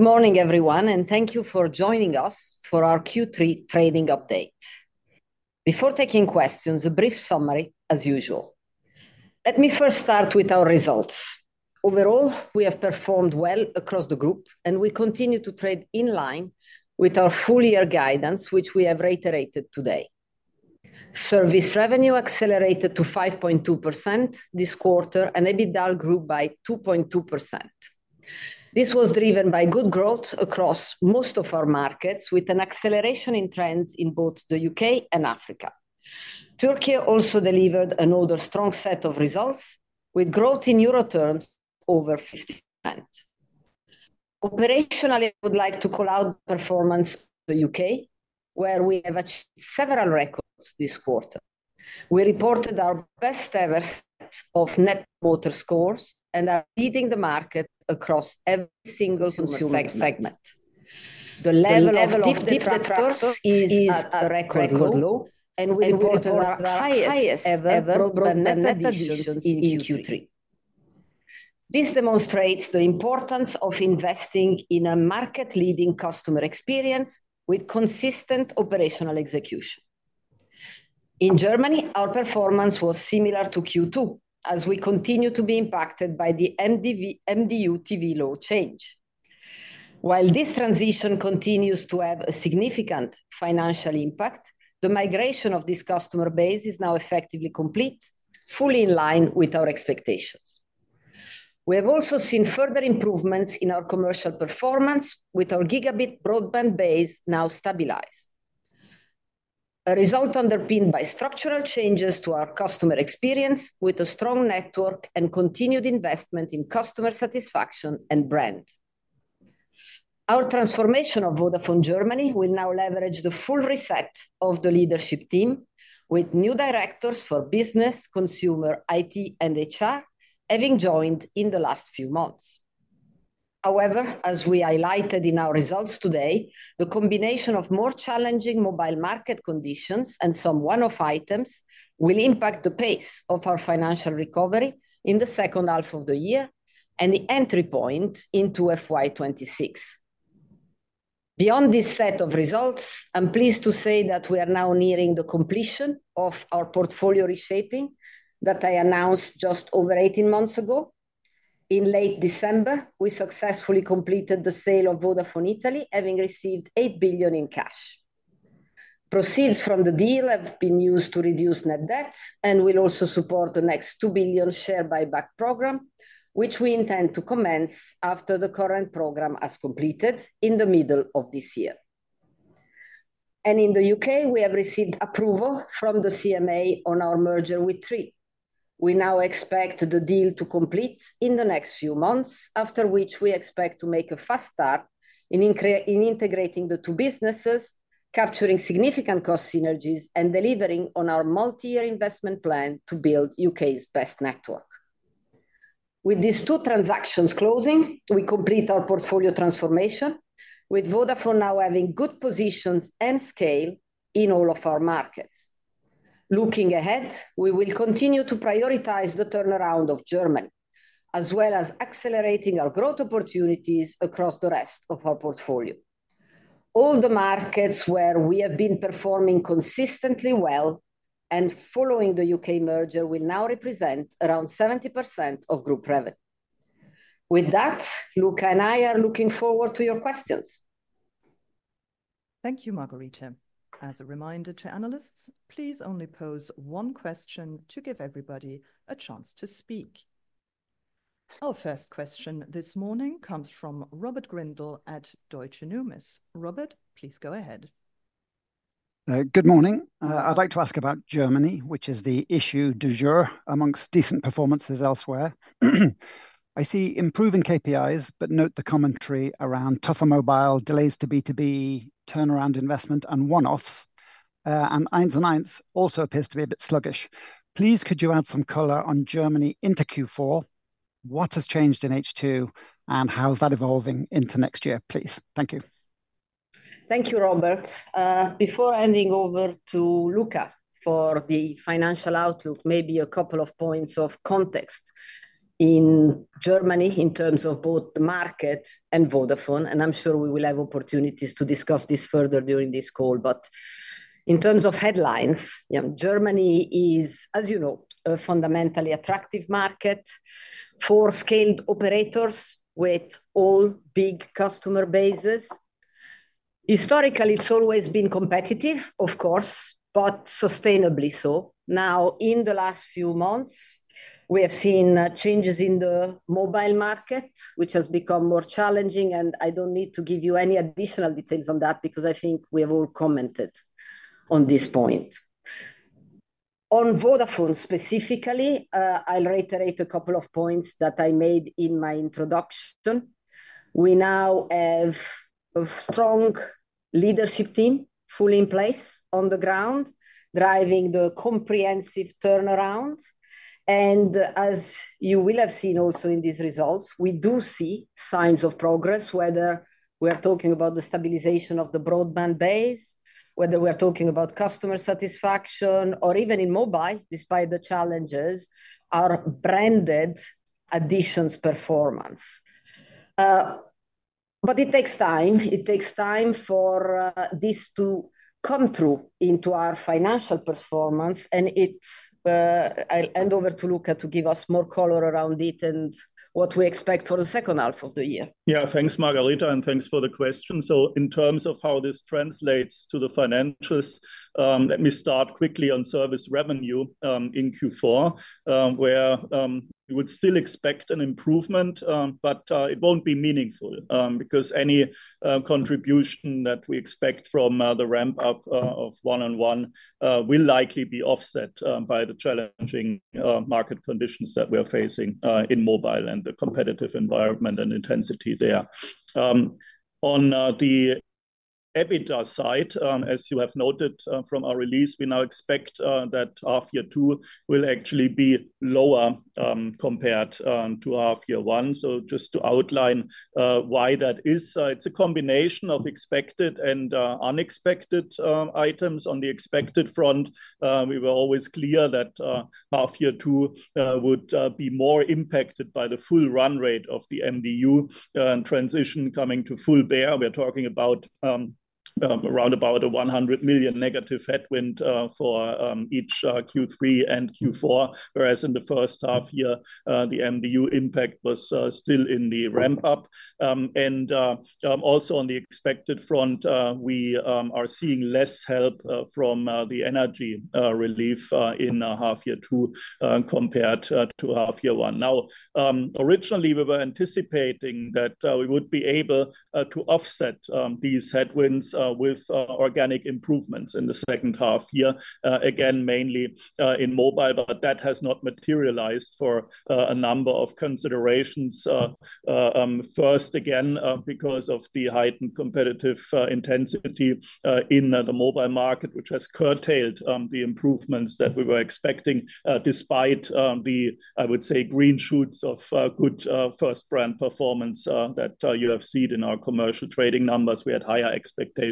Good morning, everyone, and thank you for joining us for our Q3 trading update. Before taking questions, a brief summary, as usual. Let me first start with our results. Overall, we have performed well across the group, and we continue to trade in line with our full-year guidance, which we have reiterated today. Service revenue accelerated to 5.2% this quarter, and EBITDA grew by 2.2%. This was driven by good growth across most of our markets, with an acceleration in trends in both the UK and Africa. Türkiye also delivered another strong set of results, with growth in euro terms over 50%. Operationally, I would like to call out the performance of the UK, where we have achieved several records this quarter. We reported our best-ever set of Net Promoter Scores and are leading the market across every single consumer segment. The level of differentials is at a record low, and we reported our highest ever broadband net additions in Q3. This demonstrates the importance of investing in a market-leading customer experience with consistent operational execution. In Germany, our performance was similar to Q2, as we continue to be impacted by the MDU TV law change. While this transition continues to have a significant financial impact, the migration of this customer base is now effectively complete, fully in line with our expectations. We have also seen further improvements in our commercial performance, with our Gigabit broadband base now stabilized. A result underpinned by structural changes to our customer experience, with a strong network and continued investment in customer satisfaction and brand. Our transformation of Vodafone Germany will now leverage the full reset of the leadership team, with new directors for business, consumer, IT, and HR having joined in the last few months. However, as we highlighted in our results today, the combination of more challenging mobile market conditions and some one-off items will impact the pace of our financial recovery in the second half of the year and the entry point into FY26. Beyond this set of results, I'm pleased to say that we are now nearing the completion of our portfolio reshaping that I announced just over 18 months ago. In late December, we successfully completed the sale of Vodafone Italy, having received 8 billion in cash. Proceeds from the deal have been used to reduce net debt and will also support the next 2 billion share buyback program, which we intend to commence after the current program has completed in the middle of this year. And in the UK, we have received approval from the CMA on our merger with Three. We now expect the deal to complete in the next few months, after which we expect to make a fast start in integrating the two businesses, capturing significant cost synergies, and delivering on our multi-year investment plan to build the UK's best network. With these two transactions closing, we complete our portfolio transformation, with Vodafone now having good positions and scale in all of our markets. Looking ahead, we will continue to prioritize the turnaround of Germany, as well as accelerating our growth opportunities across the rest of our portfolio. All the markets where we have been performing consistently well and following the UK merger will now represent around 70% of group revenue. With that, Luka and I are looking forward to your questions. Thank you, Margherita. As a reminder to analysts, please only pose one question to give everybody a chance to speak. Our first question this morning comes from Robert Grindle at Deutsche Numis. Robert, please go ahead. Good morning. I'd like to ask about Germany, which is the issue du jour among decent performances elsewhere. I see improving KPIs, but note the commentary around tougher mobile, delays to B2B, turnaround investment, and one-offs. And 1&1 also appears to be a bit sluggish. Please, could you add some color on Germany into Q4? What has changed in H2, and how is that evolving into next year? Please. Thank you. Thank you, Robert. Before handing over to Luka for the financial outlook, maybe a couple of points of context in Germany in terms of both the market and Vodafone, and I'm sure we will have opportunities to discuss this further during this call, but in terms of headlines, Germany is, as you know, a fundamentally attractive market for scaled operators with all big customer bases. Historically, it's always been competitive, of course, but sustainably so. Now, in the last few months, we have seen changes in the mobile market, which has become more challenging, and I don't need to give you any additional details on that because I think we have all commented on this point. On Vodafone specifically, I'll reiterate a couple of points that I made in my introduction. We now have a strong leadership team fully in place on the ground, driving the comprehensive turnaround. As you will have seen also in these results, we do see signs of progress, whether we are talking about the stabilization of the broadband base, whether we are talking about customer satisfaction, or even in mobile, despite the challenges, our branded additions' performance. It takes time. It takes time for this to come through into our financial performance. I'll hand over to Luka to give us more color around it and what we expect for the second half of the year. Yeah, thanks, Margherita, and thanks for the question, so in terms of how this translates to the financials, let me start quickly on service revenue in Q4, where we would still expect an improvement, but it won't be meaningful because any contribution that we expect from the ramp-up of 1&1 will likely be offset by the challenging market conditions that we are facing in mobile and the competitive environment and intensity there. On the EBITDA side, as you have noted from our release, we now expect that half year two will actually be lower compared to half year one, so just to outline why that is, it's a combination of expected and unexpected items. On the expected front, we were always clear that half year two would be more impacted by the full run rate of the MDU transition coming to full bear. We're talking about around about a 100 million negative headwind for each Q3 and Q4, whereas in the first half year, the MDU impact was still in the ramp-up. And also on the expected front, we are seeing less help from the energy relief in half year two compared to half year one. Now, originally, we were anticipating that we would be able to offset these headwinds with organic improvements in the second half year, again, mainly in mobile, but that has not materialized for a number of considerations. First, again, because of the heightened competitive intensity in the mobile market, which has curtailed the improvements that we were expecting, despite the, I would say, green shoots of good first-brand performance that you have seen in our commercial trading numbers. We had higher expectations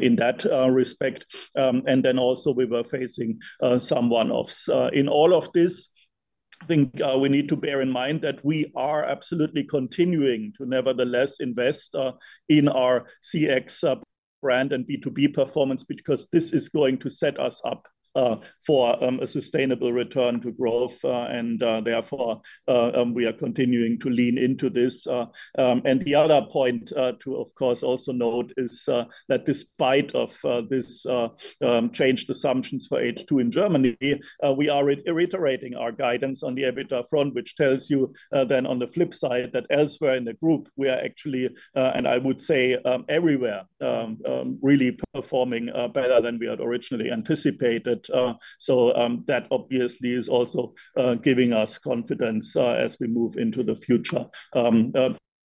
in that respect. And then also, we were facing some one-offs. In all of this, I think we need to bear in mind that we are absolutely continuing to nevertheless invest in our CX brand and B2B performance because this is going to set us up for a sustainable return to growth. And therefore, we are continuing to lean into this. And the other point to, of course, also note is that despite these changed assumptions for H2 in Germany, we are reiterating our guidance on the EBITDA front, which tells you then on the flip side that elsewhere in the group, we are actually, and I would say everywhere, really performing better than we had originally anticipated. So that obviously is also giving us confidence as we move into the future.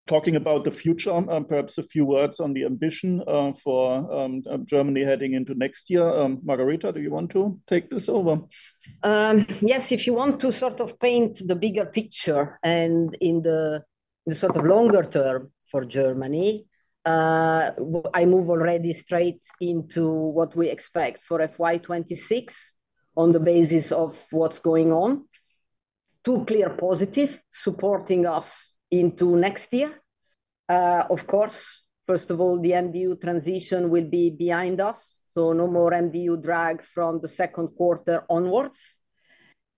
Talking about the future, perhaps a few words on the ambition for Germany heading into next year. Margherita, do you want to take this over? Yes, if you want to sort of paint the bigger picture and in the sort of longer term for Germany, I move already straight into what we expect for FY26 on the basis of what's going on. Two clear positives supporting us into next year. Of course, first of all, the MDU transition will be behind us, so no more MDU drag from the second quarter onwards.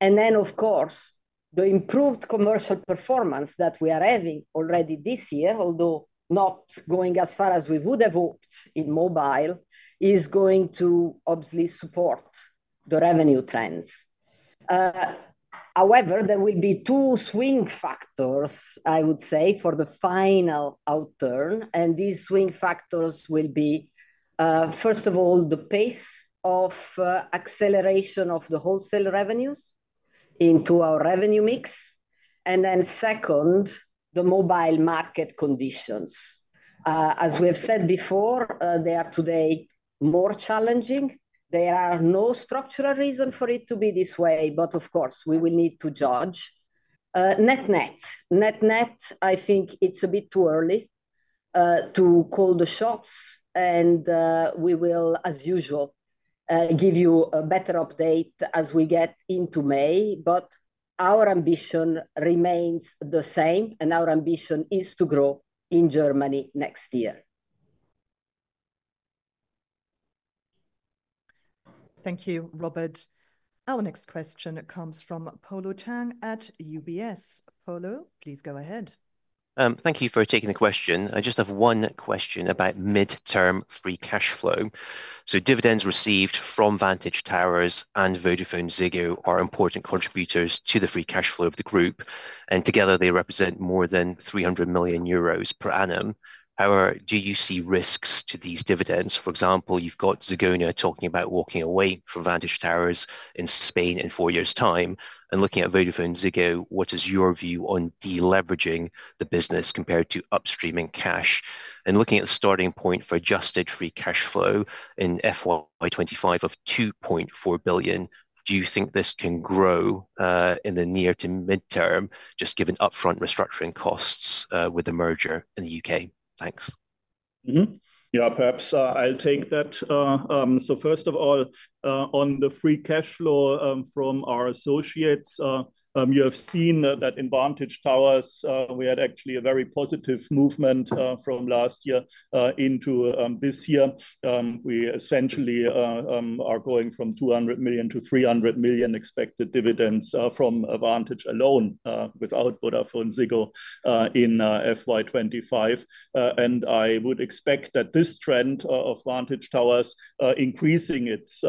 And then, of course, the improved commercial performance that we are having already this year, although not going as far as we would have hoped in mobile, is going to obviously support the revenue trends. However, there will be two swing factors, I would say, for the final outturn. And these swing factors will be, first of all, the pace of acceleration of the wholesale revenues into our revenue mix. And then second, the mobile market conditions. As we have said before, they are today more challenging. There are no structural reasons for it to be this way, but of course, we will need to judge. Net net. Net net, I think it's a bit too early to call the shots, and we will, as usual, give you a better update as we get into May, but our ambition remains the same, and our ambition is to grow in Germany next year. Thank you, Robert. Our next question comes from Polo Tang at UBS. Polo, please go ahead. Thank you for taking the question. I just have one question about midterm free cash flow. So dividends received from Vantage Towers and VodafoneZiggo are important contributors to the free cash flow of the group. And together, they represent more than 300 million euros per annum. However, do you see risks to these dividends? For example, you've got Zegona talking about walking away from Vantage Towers in Spain in four years' time. And looking at VodafoneZiggo, what is your view on deleveraging the business compared to upstreaming cash? And looking at the starting point for adjusted free cash flow in FY25 of 2.4 billion, do you think this can grow in the near to midterm, just given upfront restructuring costs with the merger in the U.K.? Thanks. Yeah, perhaps I'll take that. So first of all, on the free cash flow from our associates, you have seen that in Vantage Towers, we had actually a very positive movement from last year into this year. We essentially are going from 200 million to 300 million expected dividends from Vantage alone without VodafoneZiggo in FY25. And I would expect that this trend of Vantage Towers increasing its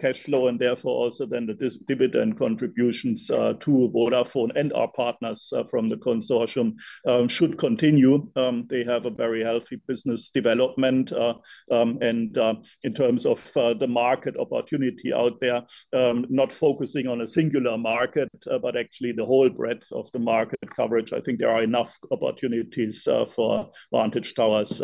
cash flow and therefore also then the dividend contributions to Vodafone and our partners from the consortium should continue. They have a very healthy business development. And in terms of the market opportunity out there, not focusing on a singular market, but actually the whole breadth of the market coverage, I think there are enough opportunities for Vantage Towers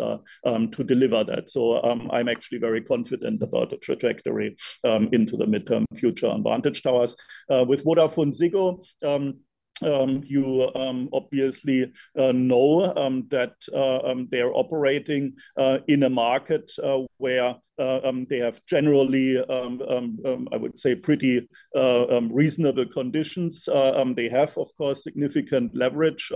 to deliver that. So I'm actually very confident about the trajectory into the midterm future on Vantage Towers. With VodafoneZiggo, you obviously know that they are operating in a market where they have generally, I would say, pretty reasonable conditions. They have, of course, significant leverage,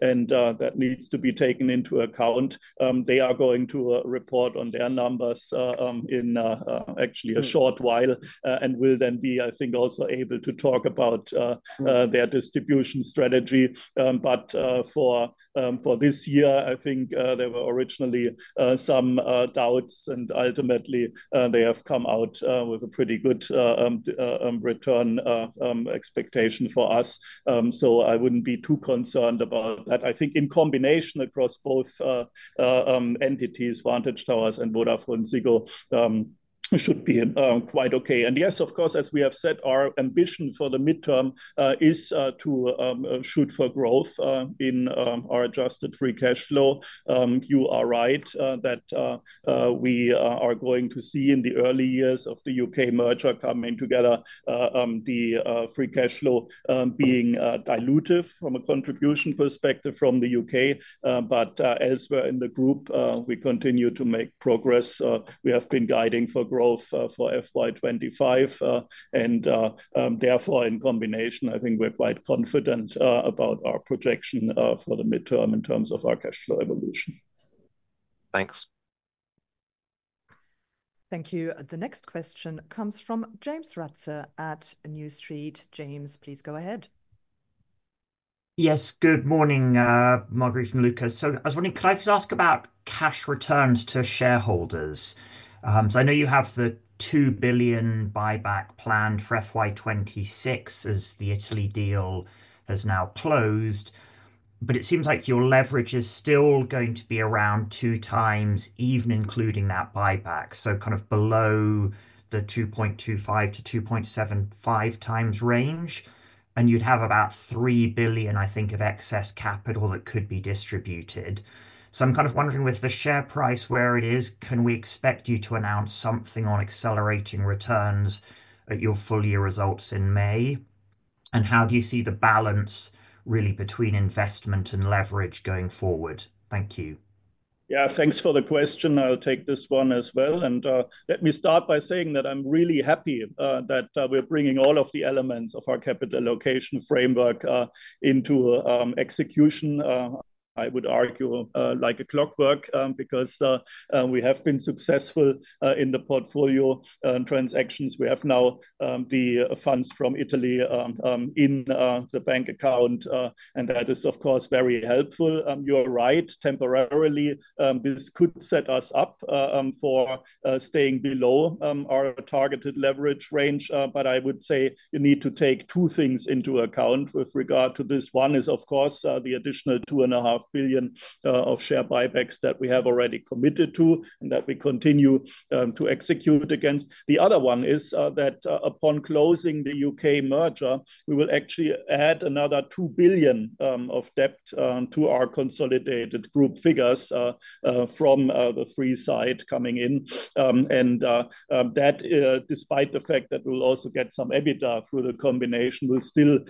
and that needs to be taken into account. They are going to report on their numbers in actually a short while and will then be, I think, also able to talk about their distribution strategy. But for this year, I think there were originally some doubts, and ultimately, they have come out with a pretty good return expectation for us. So I wouldn't be too concerned about that. I think in combination across both entities, Vantage Towers and VodafoneZiggo should be quite okay. And yes, of course, as we have said, our ambition for the midterm is to shoot for growth in our adjusted free cash flow. You are right that we are going to see in the early years of the UK merger coming together the free cash flow being dilutive from a contribution perspective from the UK. But elsewhere in the group, we continue to make progress. We have been guiding for growth for FY25, and therefore, in combination, I think we're quite confident about our projection for the midterm in terms of our cash flow evolution. Thanks. Thank you. The next question comes from James Ratzer at New Street. James, please go ahead. Yes, good morning, Margherita and Luka. So I was wondering, could I just ask about cash returns to shareholders? So I know you have the 2 billion buyback planned for FY26 as the Italy deal has now closed, but it seems like your leverage is still going to be around two times, even including that buyback, so kind of below the 2.25-2.75 times range. And you'd have about 3 billion, I think, of excess capital that could be distributed. So I'm kind of wondering with the share price where it is, can we expect you to announce something on accelerating returns at your full year results in May? And how do you see the balance really between investment and leverage going forward? Thank you. Yeah, thanks for the question. I'll take this one as well. And let me start by saying that I'm really happy that we're bringing all of the elements of our capital allocation framework into execution, I would argue, like a clockwork, because we have been successful in the portfolio transactions. We have now the funds from Italy in the bank account. And that is, of course, very helpful. You're right. Temporarily, this could set us up for staying below our targeted leverage range. But I would say you need to take two things into account with regard to this. One is, of course, the additional 2.5 billion of share buybacks that we have already committed to and that we continue to execute against. The other one is that upon closing the UK merger, we will actually add another 2 billion of debt to our consolidated group figures from the Three side coming in. And that, despite the fact that we'll also get some EBITDA through the combination, will still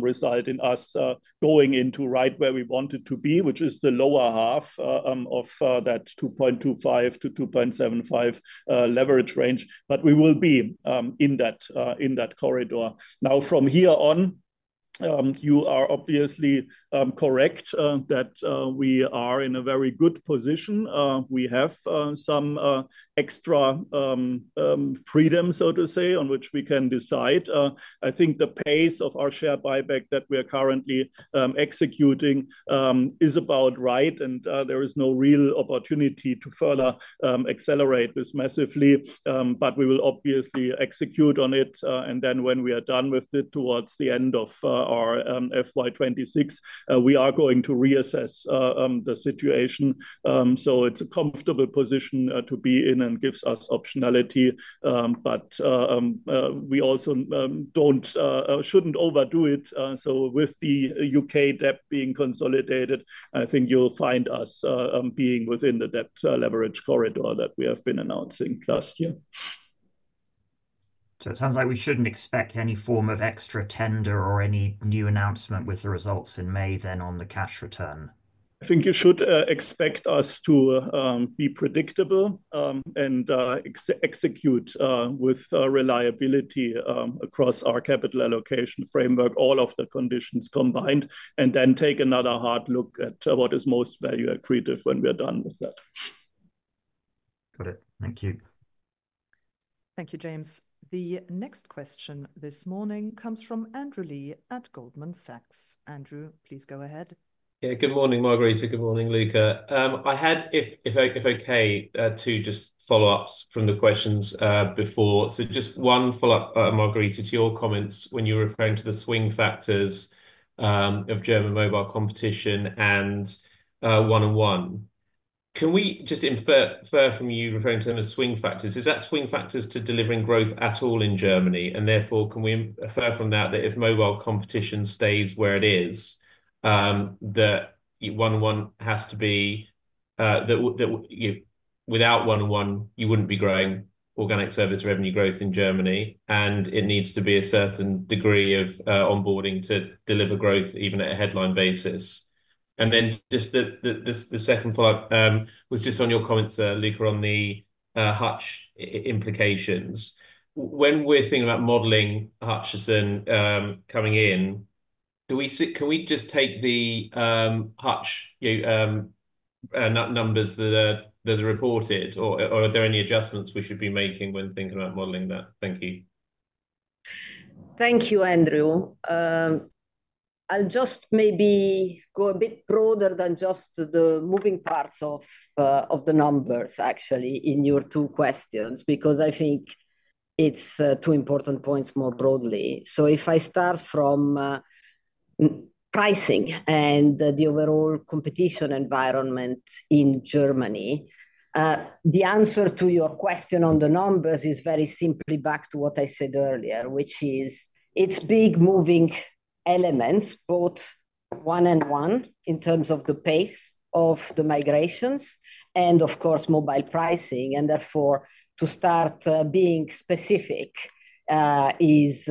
result in us going into right where we wanted to be, which is the lower half of that 2.25-2.75 leverage range. But we will be in that corridor. Now, from here on, you are obviously correct that we are in a very good position. We have some extra freedom, so to say, on which we can decide. I think the pace of our share buyback that we are currently executing is about right. And there is no real opportunity to further accelerate this massively. But we will obviously execute on it. Then when we are done with it towards the end of our FY26, we are going to reassess the situation. It's a comfortable position to be in and gives us optionality. We also shouldn't overdo it. With the UK debt being consolidated, I think you'll find us being within the debt leverage corridor that we have been announcing last year. So it sounds like we shouldn't expect any form of extra tender or any new announcement with the results in May then on the cash return? I think you should expect us to be predictable and execute with reliability across our capital allocation framework, all of the conditions combined, and then take another hard look at what is most value accretive when we are done with that. Got it. Thank you. Thank you, James. The next question this morning comes from Andrew Lee at Goldman Sachs. Andrew, please go ahead. Yeah, good morning, Margherita. Good morning, Luka. I had, if okay, two just follow-ups from the questions before. So just one follow-up, Margherita, to your comments when you were referring to the swing factors of German mobile competition and 1&1. Can we just infer from you referring to them as swing factors? Is that swing factors to delivering growth at all in Germany? And therefore, can we infer from that that if mobile competition stays where it is, that 1&1 has to be without 1&1, you wouldn't be growing organic service revenue growth in Germany? And it needs to be a certain degree of onboarding to deliver growth even at a headline basis. And then just the second follow-up was just on your comments, Luka, on the Hutch implications. When we're thinking about modeling Hutchison coming in, can we just take the Hutch numbers that are reported, or are there any adjustments we should be making when thinking about modeling that? Thank you. Thank you, Andrew. I'll just maybe go a bit broader than just the moving parts of the numbers, actually, in your two questions, because I think it's two important points more broadly, so if I start from pricing and the overall competition environment in Germany, the answer to your question on the numbers is very simply back to what I said earlier, which is it's big moving elements, both 1&1 in terms of the pace of the migrations and, of course, mobile pricing, and therefore, to start being specific is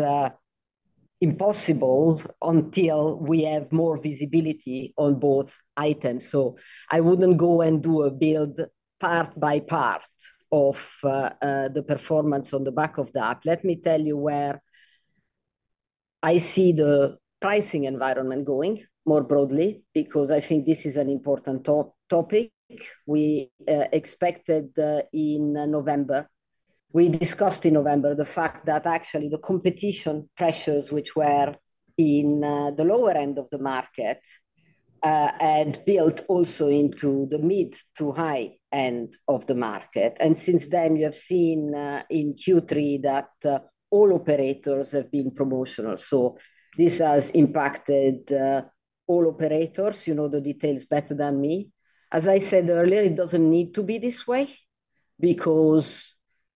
impossible until we have more visibility on both items, so I wouldn't go and do a build part by part of the performance on the back of that. Let me tell you where I see the pricing environment going more broadly, because I think this is an important topic we expected in November. We discussed in November the fact that actually the competition pressures, which were in the lower end of the market, had built also into the mid to high end of the market, and since then, you have seen in Q3 that all operators have been promotional, so this has impacted all operators. You know the details better than me. As I said earlier, it doesn't need to be this way because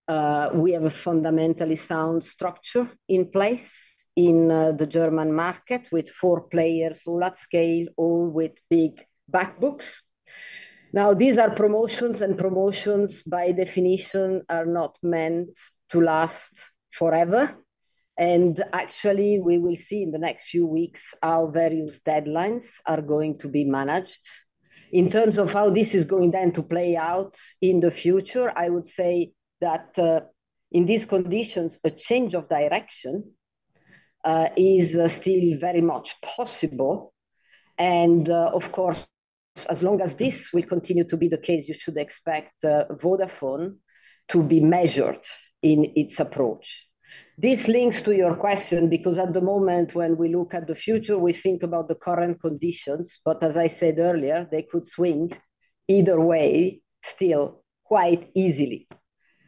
we have a fundamentally sound structure in place in the German market with four players all at scale, all with big backbooks. Now, these are promotions, and promotions by definition are not meant to last forever, and actually, we will see in the next few weeks how various deadlines are going to be managed. In terms of how this is going then to play out in the future, I would say that in these conditions, a change of direction is still very much possible, and of course, as long as this will continue to be the case, you should expect Vodafone to be measured in its approach. This links to your question, because at the moment when we look at the future, we think about the current conditions, but as I said earlier, they could swing either way still quite easily,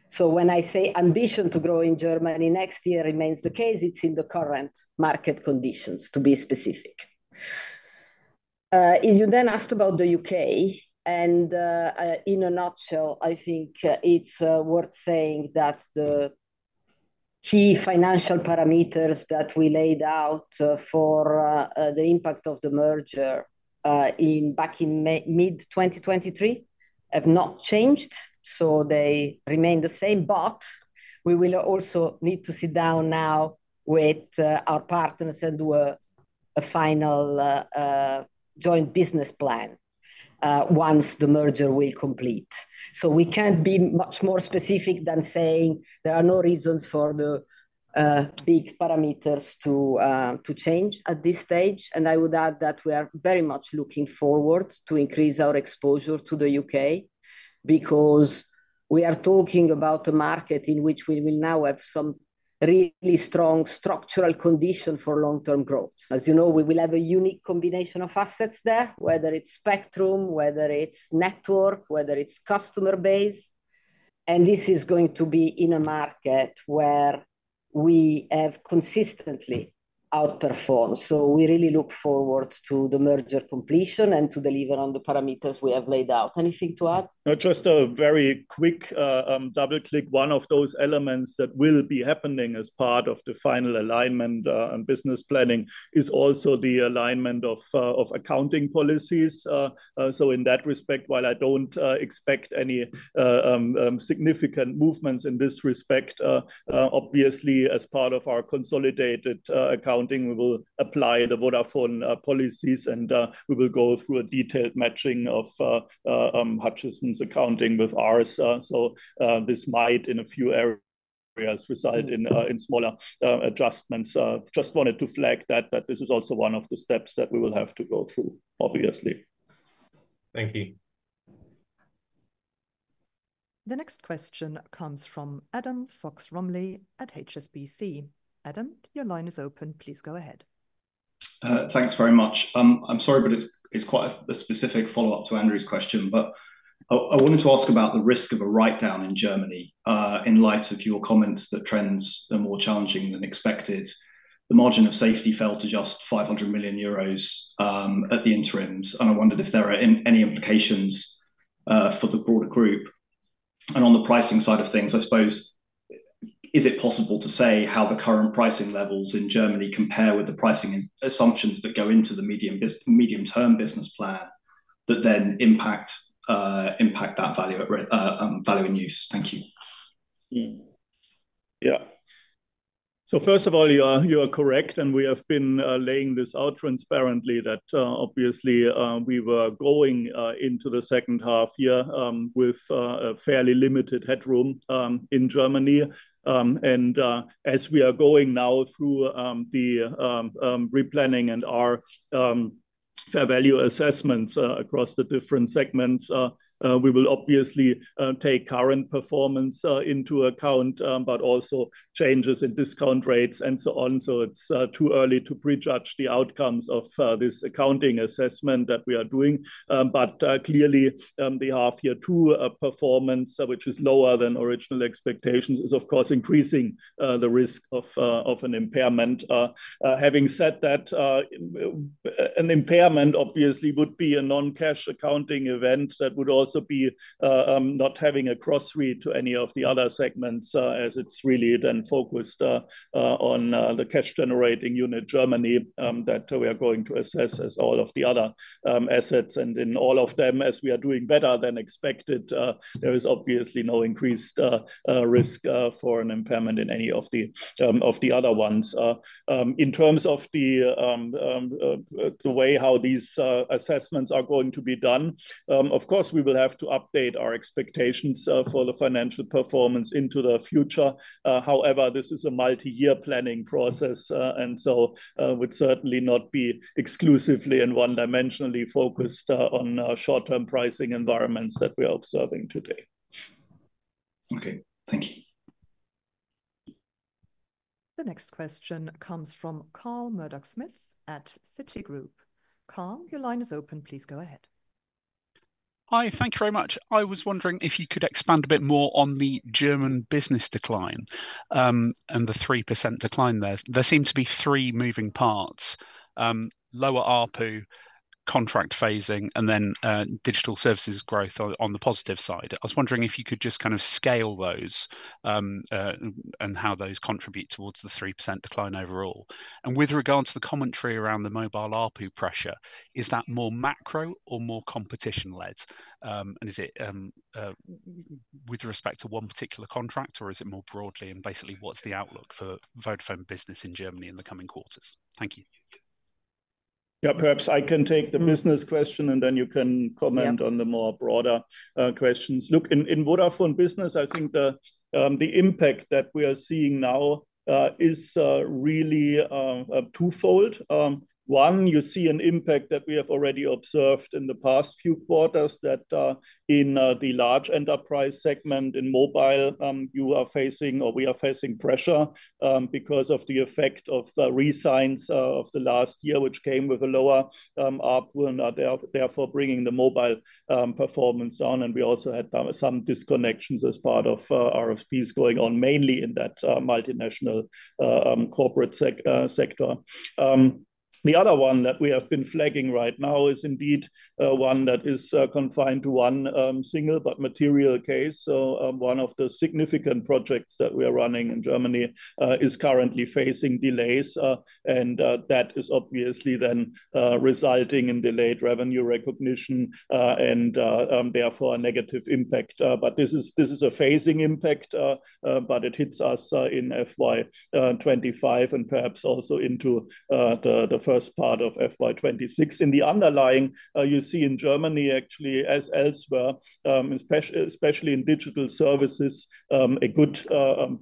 so when I say ambition to grow in Germany next year remains the case, it's in the current market conditions, to be specific. You then asked about the U.K., and in a nutshell, I think it's worth saying that the key financial parameters that we laid out for the impact of the merger back in mid-2023 have not changed. So they remain the same. But we will also need to sit down now with our partners and do a final joint business plan once the merger will complete. So we can't be much more specific than saying there are no reasons for the big parameters to change at this stage. And I would add that we are very much looking forward to increase our exposure to the U.K. because we are talking about a market in which we will now have some really strong structural condition for long-term growth. As you know, we will have a unique combination of assets there, whether it's spectrum, whether it's network, whether it's customer base. And this is going to be in a market where we have consistently outperformed. So we really look forward to the merger completion and to deliver on the parameters we have laid out. Anything to add? Just a very quick double-click. One of those elements that will be happening as part of the final alignment and business planning is also the alignment of accounting policies. So in that respect, while I don't expect any significant movements in this respect, obviously, as part of our consolidated accounting, we will apply the Vodafone policies, and we will go through a detailed matching of Hutchison's accounting with ours. So this might, in a few areas, result in smaller adjustments. Just wanted to flag that this is also one of the steps that we will have to go through, obviously. Thank you. The next question comes from Adam Fox-Rumley at HSBC. Adam, your line is open. Please go ahead. Thanks very much. I'm sorry, but it's quite a specific follow-up to Andrew's question. But I wanted to ask about the risk of a write-down in Germany in light of your comments that trends are more challenging than expected. The margin of safety fell to just 500 million euros at the interims. And I wondered if there are any implications for the broader group. And on the pricing side of things, I suppose, is it possible to say how the current pricing levels in Germany compare with the pricing assumptions that go into the medium-term business plan that then impact that value in use? Thank you. Yeah. So first of all, you are correct, and we have been laying this out transparently that obviously we were going into the second half year with a fairly limited headroom in Germany, and as we are going now through the replanning and our fair value assessments across the different segments, we will obviously take current performance into account, but also changes in discount rates and so on, so it's too early to prejudge the outcomes of this accounting assessment that we are doing, but clearly, the half-year two performance, which is lower than original expectations, is of course increasing the risk of an impairment. Having said that, an impairment obviously would be a non-cash accounting event that would also be not having a cross-read to any of the other segments, as it's really then focused on the cash-generating unit Germany that we are going to assess as all of the other assets. And in all of them, as we are doing better than expected, there is obviously no increased risk for an impairment in any of the other ones. In terms of the way how these assessments are going to be done, of course, we will have to update our expectations for the financial performance into the future. However, this is a multi-year planning process. And so it would certainly not be exclusively and one-dimensionally focused on short-term pricing environments that we are observing today. Okay. Thank you. The next question comes from Carl Murdock-Smith at Citigroup. Carl, your line is open. Please go ahead. Hi, thank you very much. I was wondering if you could expand a bit more on the German business decline and the 3% decline there. There seem to be three moving parts: lower ARPU, contract phasing, and then digital services growth on the positive side. I was wondering if you could just kind of scale those and how those contribute towards the 3% decline overall. And with regards to the commentary around the mobile ARPU pressure, is that more macro or more competition-led? And is it with respect to one particular contract, or is it more broadly? And basically, what's the outlook for Vodafone Business in Germany in the coming quarters? Thank you. Yeah, perhaps I can take the business question, and then you can comment on the more broader questions. Look, in Vodafone Business, I think the impact that we are seeing now is really twofold. One, you see an impact that we have already observed in the past few quarters that in the large enterprise segment in mobile, you are facing or we are facing pressure because of the effect of the re-signs of the last year, which came with a lower ARPU, and are therefore bringing the mobile performance down. And we also had some disconnections as part of RFPs going on mainly in that multinational corporate sector. The other one that we have been flagging right now is indeed one that is confined to one single but material case. So one of the significant projects that we are running in Germany is currently facing delays. That is obviously then resulting in delayed revenue recognition and therefore a negative impact. This is a phasing impact, but it hits us in FY25 and perhaps also into the first part of FY26. In the underlying, you see in Germany actually, as elsewhere, especially in digital services, a good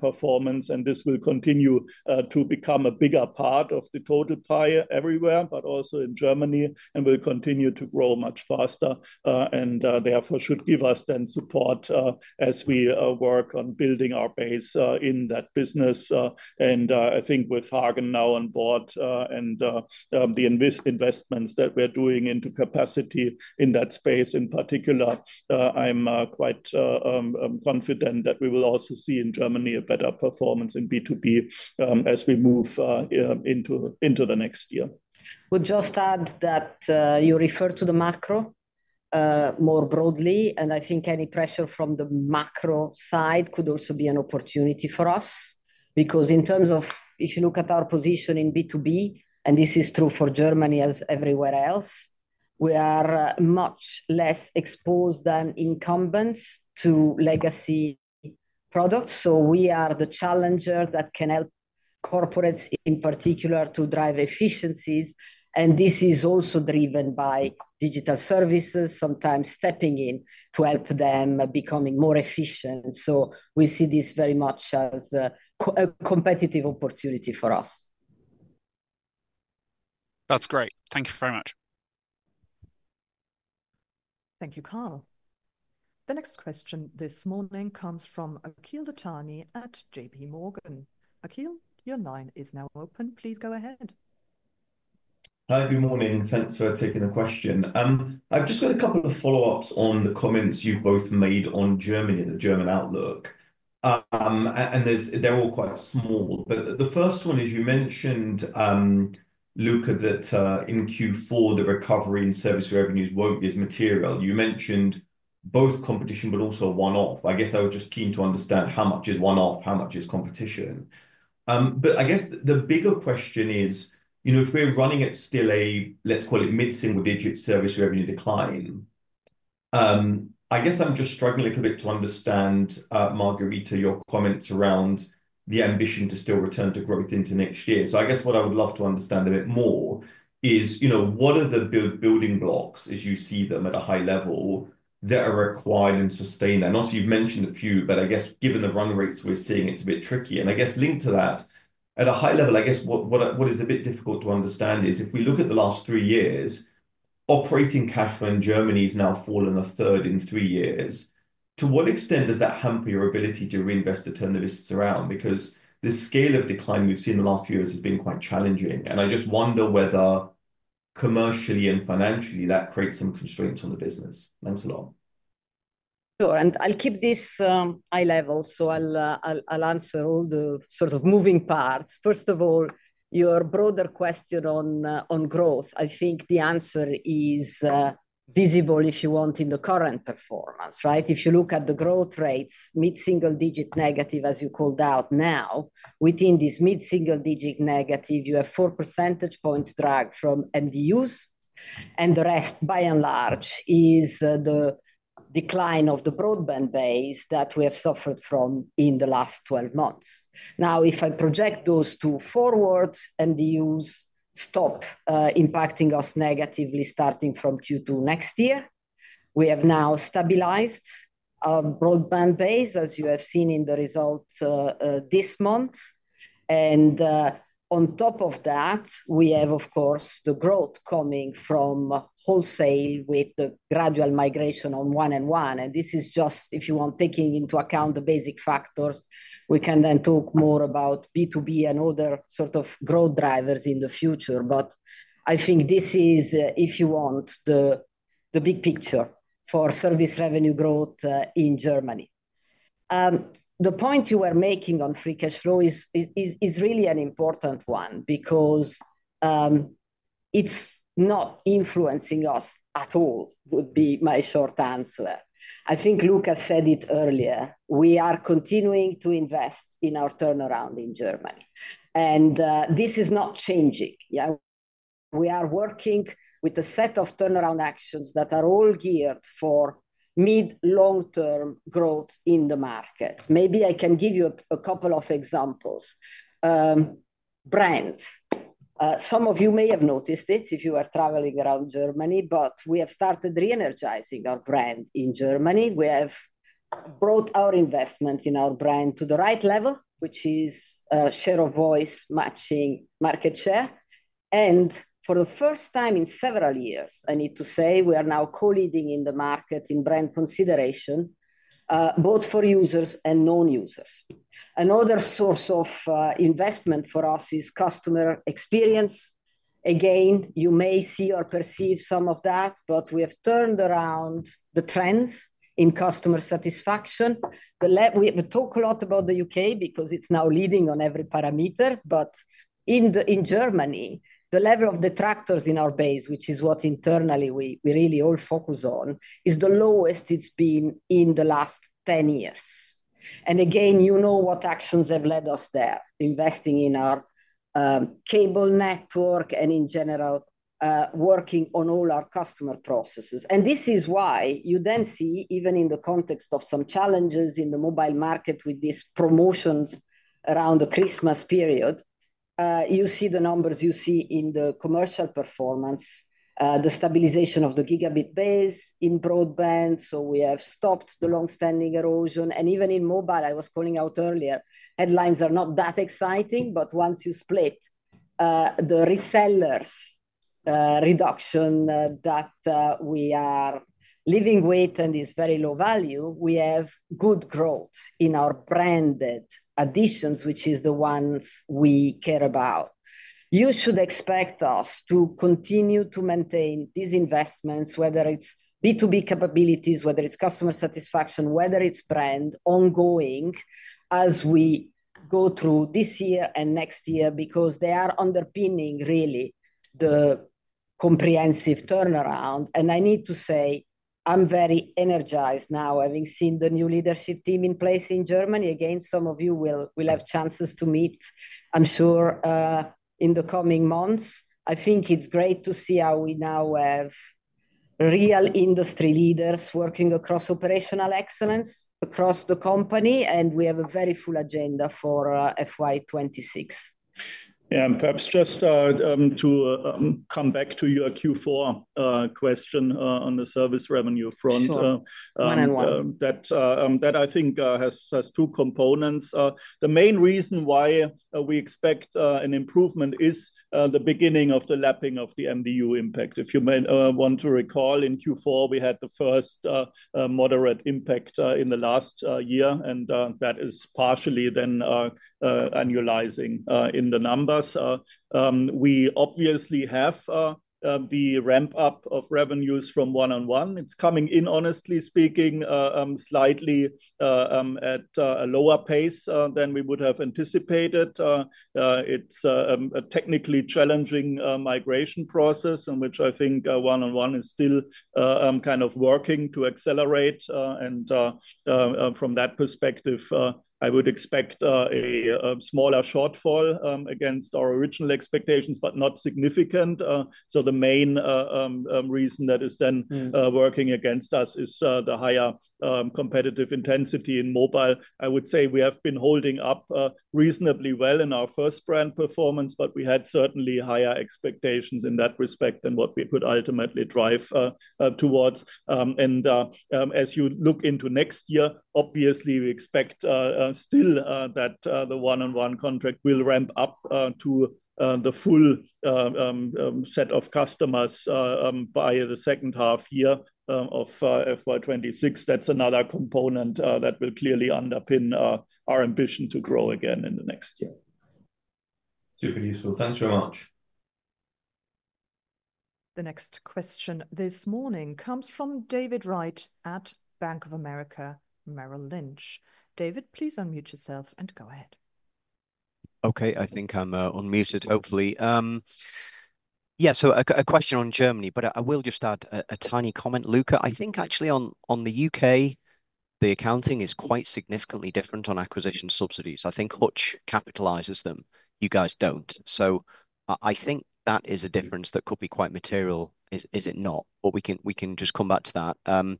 performance. This will continue to become a bigger part of the total pie everywhere, but also in Germany, and will continue to grow much faster. Therefore should give us then support as we work on building our base in that business. I think with Hagen now on board and the investments that we are doing into capacity in that space in particular, I'm quite confident that we will also see in Germany a better performance in B2B as we move into the next year. We'll just add that you refer to the macro more broadly. And I think any pressure from the macro side could also be an opportunity for us, because in terms of if you look at our position in B2B, and this is true for Germany as everywhere else, we are much less exposed than incumbents to legacy products. So we are the challenger that can help corporates in particular to drive efficiencies. And this is also driven by digital services, sometimes stepping in to help them becoming more efficient. So we see this very much as a competitive opportunity for us. That's great. Thank you very much. Thank you, Carl. The next question this morning comes from Akhil Dattani at J.P. Morgan. Akhil, your line is now open. Please go ahead. Hi, good morning. Thanks for taking the question. I've just got a couple of follow-ups on the comments you've both made on Germany and the German outlook. And they're all quite small. But the first one is you mentioned, Luka, that in Q4, the recovery in service revenues won't be as material. You mentioned both competition, but also one-off. I guess I was just keen to understand how much is one-off, how much is competition. But I guess the bigger question is, if we're running at still a, let's call it, mid-single digit service revenue decline, I guess I'm just struggling a little bit to understand, Margherita, your comments around the ambition to still return to growth into next year. I guess what I would love to understand a bit more is, what are the building blocks, as you see them at a high level, that are required and sustained? I know you've mentioned a few, but I guess given the run rates we're seeing, it's a bit tricky, and I guess linked to that, at a high level, I guess what is a bit difficult to understand is, if we look at the last three years, operating cash flow in Germany has now fallen a third in three years. To what extent does that hamper your ability to reinvest to turn the risks around? Because the scale of decline we've seen in the last few years has been quite challenging, and I just wonder whether commercially and financially that creates some constraints on the business. Thanks a lot. Sure. And I'll keep this high level. So I'll answer all the sort of moving parts. First of all, your broader question on growth, I think the answer is visible, if you want, in the current performance. If you look at the growth rates, mid-single digit negative, as you called out now, within this mid-single digit negative, you have four percentage points drag from MDUs. And the rest, by and large, is the decline of the broadband base that we have suffered from in the last 12 months. Now, if I project those two forward, MDUs stop impacting us negatively starting from Q2 next year. We have now stabilized our broadband base, as you have seen in the results this month. And on top of that, we have, of course, the growth coming from wholesale with the gradual migration on 1&1. This is just, if you want, taking into account the basic factors. We can then talk more about B2B and other sort of growth drivers in the future. But I think this is, if you want, the big picture for service revenue growth in Germany. The point you were making on free cash flow is really an important one because it's not influencing us at all, would be my short answer. I think Luka said it earlier. We are continuing to invest in our turnaround in Germany. And this is not changing. We are working with a set of turnaround actions that are all geared for mid-long-term growth in the market. Maybe I can give you a couple of examples. Brand, some of you may have noticed it if you are traveling around Germany, but we have started re-energizing our brand in Germany. We have brought our investment in our brand to the right level, which is share of voice matching market share. And for the first time in several years, I need to say, we are now co-leading in the market in brand consideration, both for users and non-users. Another source of investment for us is customer experience. Again, you may see or perceive some of that, but we have turned around the trends in customer satisfaction. We talk a lot about the UK because it's now leading on every parameter. But in Germany, the level of detractors in our base, which is what internally we really all focus on, is the lowest it's been in the last 10 years. And again, you know what actions have led us there, investing in our cable network and in general working on all our customer processes. And this is why you then see, even in the context of some challenges in the mobile market with these promotions around the Christmas period, you see the numbers you see in the commercial performance, the stabilization of the gigabit base in broadband. So we have stopped the long-standing erosion. And even in mobile, I was calling out earlier, headlines are not that exciting. But once you split the resellers' reduction that we are living with and is very low value, we have good growth in our branded additions, which is the ones we care about. You should expect us to continue to maintain these investments, whether it's B2B capabilities, whether it's customer satisfaction, whether it's brand ongoing as we go through this year and next year, because they are underpinning really the comprehensive turnaround. And I need to say, I'm very energized now having seen the new leadership team in place in Germany. Again, some of you will have chances to meet, I'm sure, in the coming months. I think it's great to see how we now have real industry leaders working across operational excellence across the company. And we have a very full agenda for FY26. Yeah, and perhaps just to come back to your Q4 question on the service revenue front. Sure. 1&1. That I think has two components. The main reason why we expect an improvement is the beginning of the lapping of the MDU impact. If you want to recall, in Q4, we had the first moderate impact in the last year, and that is partially then annualizing in the numbers. We obviously have the ramp-up of revenues from 1&1. It's coming in, honestly speaking, slightly at a lower pace than we would have anticipated. It's a technically challenging migration process, in which I think 1&1 is still kind of working to accelerate. And from that perspective, I would expect a smaller shortfall against our original expectations, but not significant, so the main reason that is then working against us is the higher competitive intensity in mobile. I would say we have been holding up reasonably well in our first brand performance, but we had certainly higher expectations in that respect than what we could ultimately drive towards, and as you look into next year, obviously, we expect still that the 1&1 contract will ramp up to the full set of customers by the second half year of FY26. That's another component that will clearly underpin our ambition to grow again in the next year. Super useful. Thanks very much. The next question this morning comes from David Wright at Bank of America Merrill Lynch. David, please unmute yourself and go ahead. Okay, I think I'm unmuted, hopefully. Yeah, so a question on Germany, but I will just add a tiny comment, Luka. I think actually on the U.K., the accounting is quite significantly different on acquisition subsidies. I think Hutch capitalizes them. You guys don't. So I think that is a difference that could be quite material, is it not? But we can just come back to that.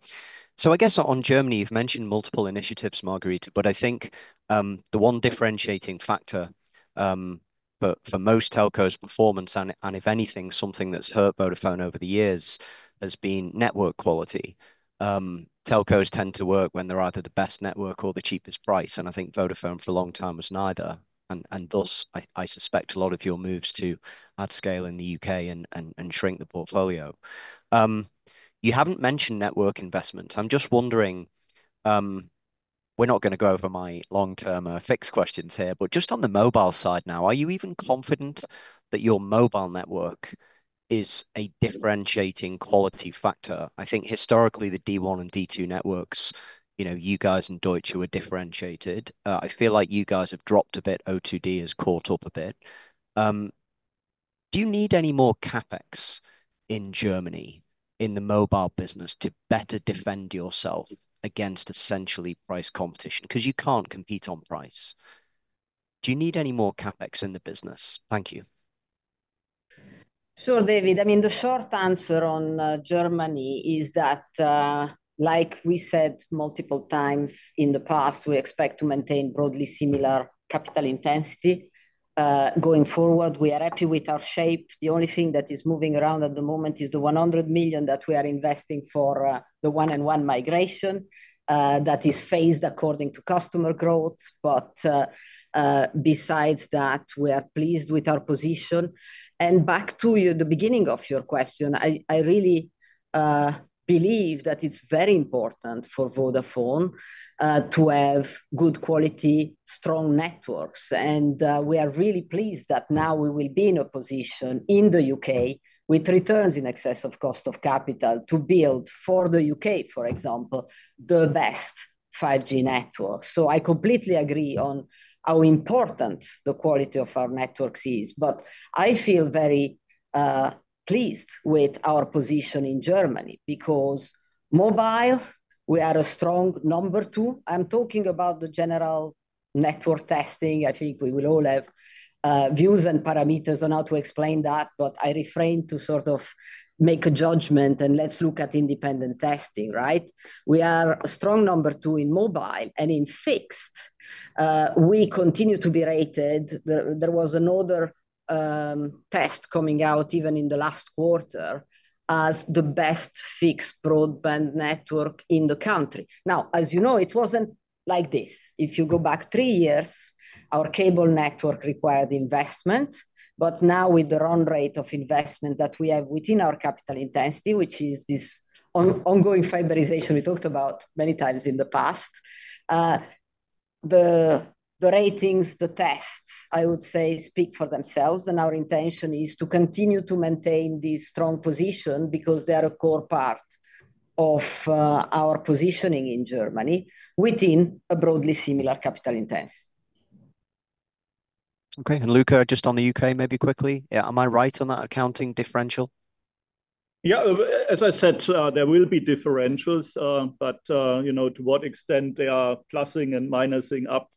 So I guess on Germany, you've mentioned multiple initiatives, Margherita, but I think the one differentiating factor for most telcos' performance, and if anything, something that's hurt Vodafone over the years, has been network quality. Telcos tend to work when they're either the best network or the cheapest price. And I think Vodafone for a long time was neither. And thus, I suspect a lot of your moves to add scale in the U.K. and shrink the portfolio. You haven't mentioned network investment. I'm just wondering, we're not going to go over my long-term fix questions here, but just on the mobile side now, are you even confident that your mobile network is a differentiating quality factor? I think historically, the D1 and D2 networks, you guys and Deutsche were differentiated. I feel like you guys have dropped a bit. O2 has caught up a bit. Do you need any more CapEx in Germany in the mobile business to better defend yourself against essentially price competition? Because you can't compete on price. Do you need any more CapEx in the business? Thank you. Sure, David. I mean, the short answer on Germany is that, like we said multiple times in the past, we expect to maintain broadly similar capital intensity. Going forward, we are happy with our shape. The only thing that is moving around at the moment is the 100 million that we are investing for the 1&1 migration that is phased according to customer growth. But besides that, we are pleased with our position. And back to the beginning of your question, I really believe that it's very important for Vodafone to have good quality, strong networks. And we are really pleased that now we will be in a position in the U.K. with returns in excess of cost of capital to build for the U.K., for example, the best 5G networks. So I completely agree on how important the quality of our networks is. But I feel very pleased with our position in Germany because mobile, we are a strong number two. I'm talking about the general network testing. I think we will all have views and parameters on how to explain that. But I refrain to sort of make a judgment and let's look at independent testing, right? We are a strong number two in mobile. And in fixed, we continue to be rated. There was another test coming out even in the last quarter as the best fixed broadband network in the country. Now, as you know, it wasn't like this. If you go back three years, our cable network required investment. But now, with the run rate of investment that we have within our capital intensity, which is this ongoing fiberization we talked about many times in the past, the ratings, the tests, I would say, speak for themselves. Our intention is to continue to maintain this strong position because they are a core part of our positioning in Germany within a broadly similar capital intensity. Okay. And Luka, just on the UK, maybe quickly, am I right on that accounting differential? Yeah, as I said, there will be differentials. But to what extent they are plusing and minusing up,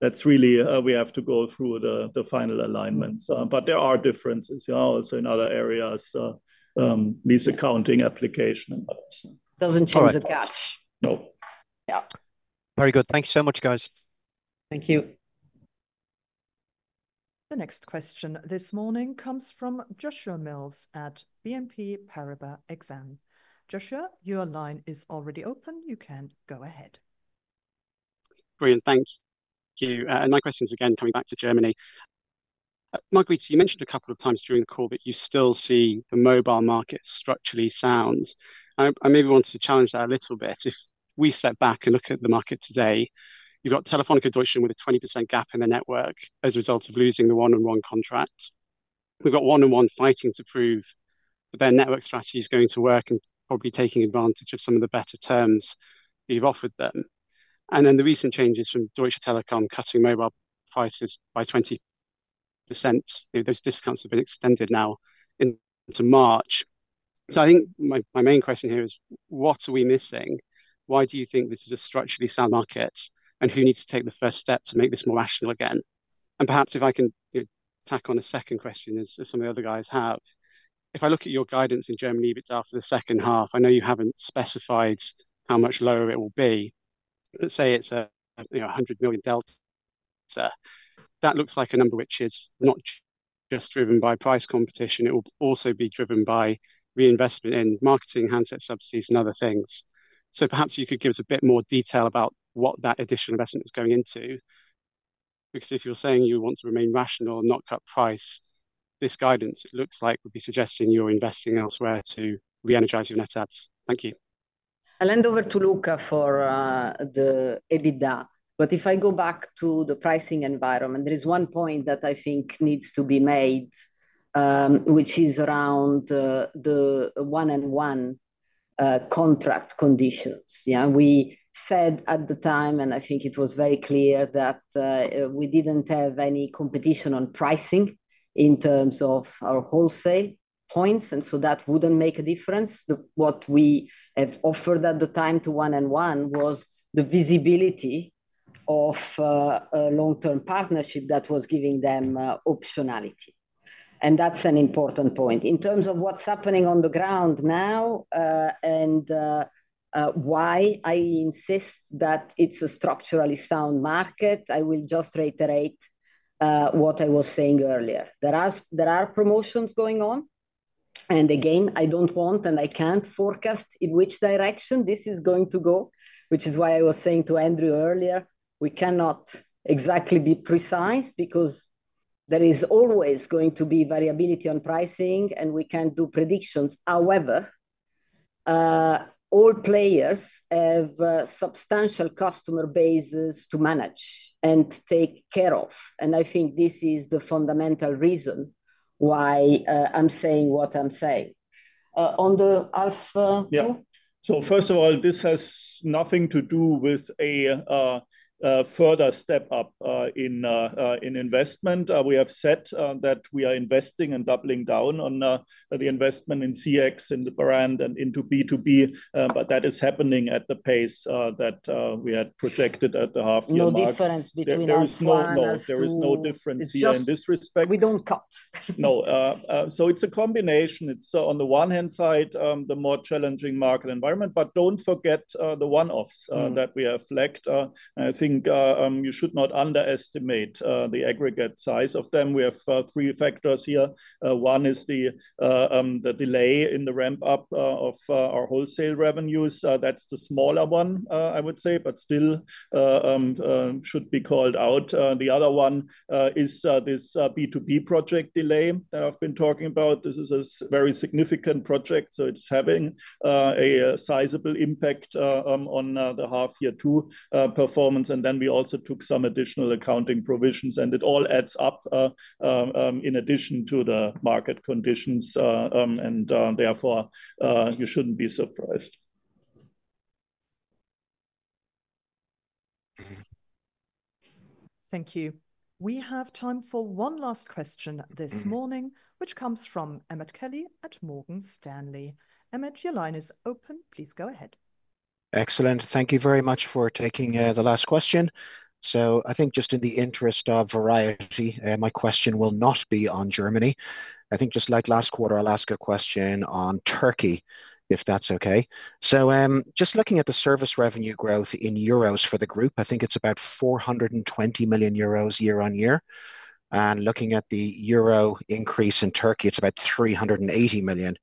that's really we have to go through the final alignments. But there are differences also in other areas, these accounting applications. Doesn't change the catch. No. Yeah. Very good. Thank you so much, guys. Thank you. The next question this morning comes from Joshua Mills at BNP Paribas Exane. Joshua, your line is already open. You can go ahead. Brilliant. Thank you. And my question is again coming back to Germany. Margherita, you mentioned a couple of times during the call that you still see the mobile market structurally sound. I maybe wanted to challenge that a little bit. If we step back and look at the market today, you've got Telefónica Deutschland with a 20% gap in the network as a result of losing the 1&1 contract. We've got 1&1 fighting to prove that their network strategy is going to work and probably taking advantage of some of the better terms that you've offered them. And then the recent changes from Deutsche Telekom cutting mobile prices by 20%. Those discounts have been extended now into March. So I think my main question here is, what are we missing? Why do you think this is a structurally sound market? Who needs to take the first step to make this more rational again? Perhaps if I can tack on a second question, as some of the other guys have, if I look at your guidance in Germany a bit after the second half, I know you haven't specified how much lower it will be. Let's say it's a 100 million delta. That looks like a number which is not just driven by price competition. It will also be driven by reinvestment in marketing, handset subsidies, and other things. So perhaps you could give us a bit more detail about what that additional investment is going into. Because if you're saying you want to remain rational and not cut price, this guidance looks like would be suggesting you're investing elsewhere to re-energize your net adds. Thank you. I'll hand over to Luka for the EBITDA, but if I go back to the pricing environment, there is one point that I think needs to be made, which is around the 1&1 contract conditions. We said at the time, and I think it was very clear that we didn't have any competition on pricing in terms of our wholesale points, and so that wouldn't make a difference. What we have offered at the time to 1&1 was the visibility of a long-term partnership that was giving them optionality, and that's an important point. In terms of what's happening on the ground now and why I insist that it's a structurally sound market, I will just reiterate what I was saying earlier. There are promotions going on. And again, I don't want and I can't forecast in which direction this is going to go, which is why I was saying to Andrew earlier. We cannot exactly be precise because there is always going to be variability on pricing and we can't do predictions. However, all players have substantial customer bases to manage and take care of. And I think this is the fundamental reason why I'm saying what I'm saying. On the Alpha? Yeah. So first of all, this has nothing to do with a further step up in investment. We have said that we are investing and doubling down on the investment in CX and the brand and into B2B. But that is happening at the pace that we had projected at the half-year mark. No difference between us. There is no difference here in this respect. We don't cut. No. So it's a combination. So on the one hand side, the more challenging market environment. But don't forget the one-offs that we have flagged. And I think you should not underestimate the aggregate size of them. We have three factors here. One is the delay in the ramp-up of our wholesale revenues. That's the smaller one, I would say, but still should be called out. The other one is this B2B project delay that I've been talking about. This is a very significant project. So it's having a sizable impact on the half-year two performance. And then we also took some additional accounting provisions. And it all adds up in addition to the market conditions. And therefore, you shouldn't be surprised. Thank you. We have time for one last question this morning, which comes from Emmett Kelly at Morgan Stanley. Emmett, your line is open. Please go ahead. Excellent. Thank you very much for taking the last question. So I think just in the interest of variety, my question will not be on Germany. I think just like last quarter, I'll ask a question on Turkey, if that's okay. So just looking at the service revenue growth in euros for the group, I think it's about 420 million euros year on year. And looking at the euro increase in Turkey, it's about 380 million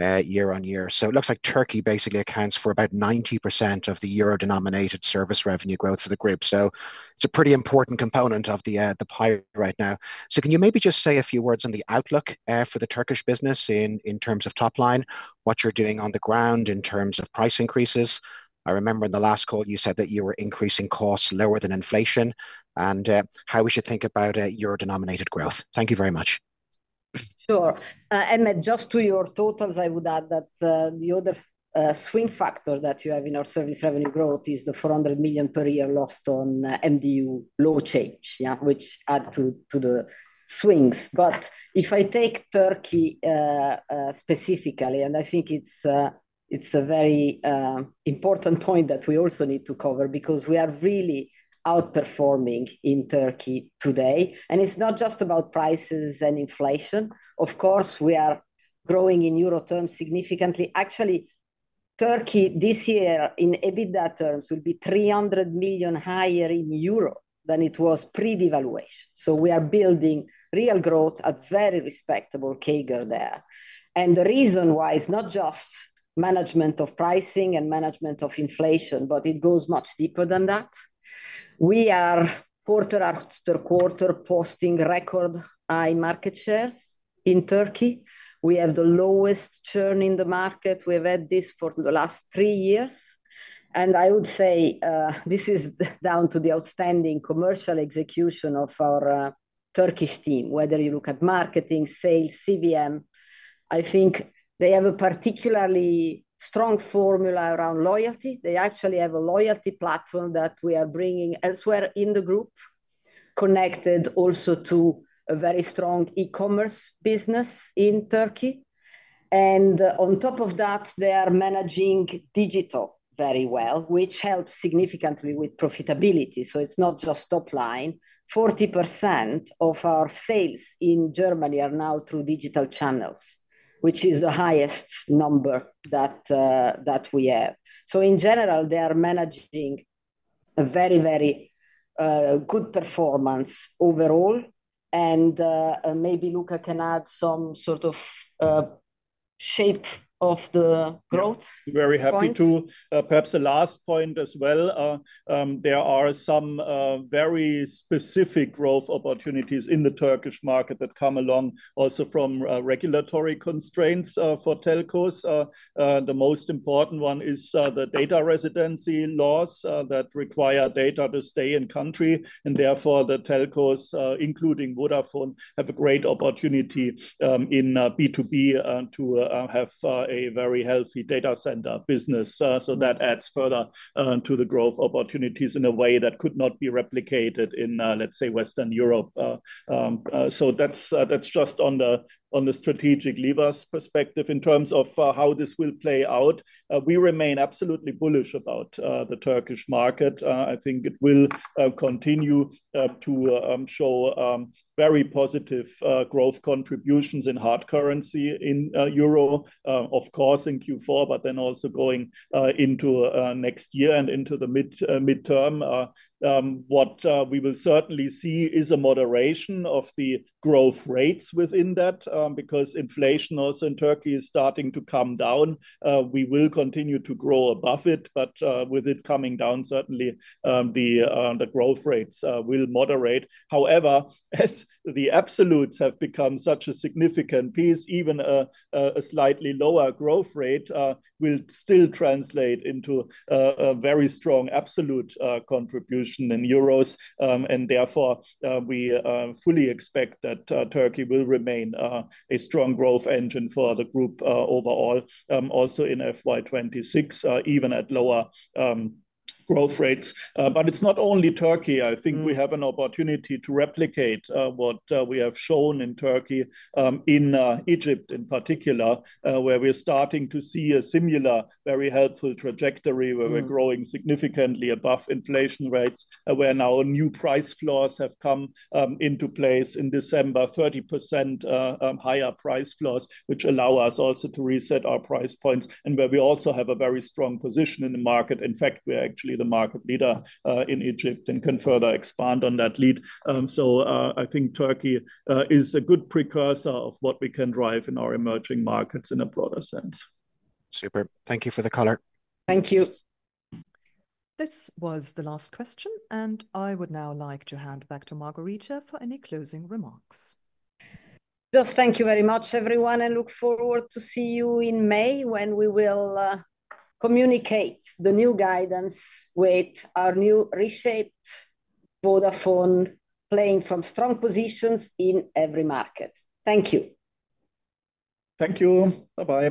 year on year. So it looks like Turkey basically accounts for about 90% of the euro-denominated service revenue growth for the group. So it's a pretty important component of the pie right now. So can you maybe just say a few words on the outlook for the Turkish business in terms of top line, what you're doing on the ground in terms of price increases? I remember in the last call, you said that you were increasing costs lower than inflation and how we should think about euro-denominated growth. Thank you very much. Sure. Emmett, just to your totals, I would add that the other swing factor that you have in our service revenue growth is the 400 million per year lost on MDU law change, which adds to the swings. But if I take Turkey specifically, and I think it is a very important point that we also need to cover because we are really outperforming in Turkey today. And it is not just about prices and inflation. Of course, we are growing in euro terms significantly. Actually, Turkey this year in EBITDA terms will be 300 million higher in euro than it was pre-devaluation. So we are building real growth at very respectable CAGR there. And the reason why is not just management of pricing and management of inflation, but it goes much deeper than that. We are quarter after quarter posting record high market shares in Turkey. We have the lowest churn in the market. We have had this for the last three years. And I would say this is down to the outstanding commercial execution of our Turkish team, whether you look at marketing, sales, CVM. I think they have a particularly strong formula around loyalty. They actually have a loyalty platform that we are bringing elsewhere in the group, connected also to a very strong e-commerce business in Turkey. And on top of that, they are managing digital very well, which helps significantly with profitability. So it's not just top line. 40% of our sales in Germany are now through digital channels, which is the highest number that we have. So in general, they are managing a very, very good performance overall. And maybe Luka can add some sort of shape of the growth. Very happy to. Perhaps the last point as well. There are some very specific growth opportunities in the Turkish market that come along also from regulatory constraints for telcos. The most important one is the data residency laws that require data to stay in country, and therefore, the telcos, including Vodafone, have a great opportunity in B2B to have a very healthy data center business, so that adds further to the growth opportunities in a way that could not be replicated in, let's say, Western Europe, so that's just on the strategic levers perspective in terms of how this will play out. We remain absolutely bullish about the Turkish market. I think it will continue to show very positive growth contributions in hard currency in euro, of course, in Q4, but then also going into next year and into the midterm. What we will certainly see is a moderation of the growth rates within that because inflation also in Turkey is starting to come down. We will continue to grow above it. But with it coming down, certainly the growth rates will moderate. However, as the absolutes have become such a significant piece, even a slightly lower growth rate will still translate into a very strong absolute contribution in euros. And therefore, we fully expect that Turkey will remain a strong growth engine for the group overall, also in FY26, even at lower growth rates. But it's not only Turkey. I think we have an opportunity to replicate what we have shown in Turkey, in Egypt in particular, where we're starting to see a similar very helpful trajectory where we're growing significantly above inflation rates, where now new price floors have come into place in December, 30% higher price floors, which allow us also to reset our price points and where we also have a very strong position in the market. In fact, we're actually the market leader in Egypt and can further expand on that lead. So I think Turkey is a good precursor of what we can drive in our emerging markets in a broader sense. Super. Thank you for the color. Thank you. This was the last question. And I would now like to hand back to Margherita for any closing remarks. Just thank you very much, everyone, and look forward to see you in May when we will communicate the new guidance with our new reshaped Vodafone playing from strong positions in every market. Thank you. Thank you. Bye-bye.